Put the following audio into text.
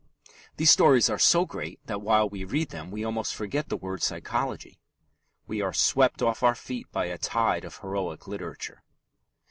These stories are so great that while we read them we almost forget the word "psychology." We are swept off our feet by a tide of heroic literature.